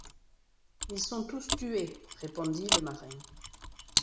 Ils sont tous tués, répondit le marin